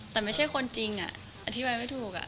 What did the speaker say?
แต่ไม่ใช่คนจริงอธิบายไม่ถูก